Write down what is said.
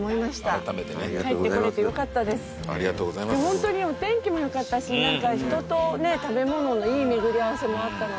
ホントにお天気もよかったし人と食べ物のいい巡り合わせもあったので。